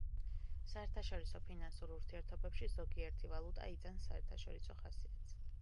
საერთაშორისო ფინანსურ ურთიერთობებში ზოგიერთი ვალუტა იძენს საერთაშორისო ხასიათს.